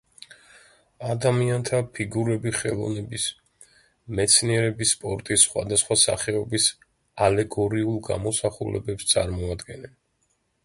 ადამიანთა ფიგურები ხელოვნების, მეცნიერების, სპორტის სხვადასხვა სახეობის ალეგორიულ გამოსახულებებს წარმოადგენენ.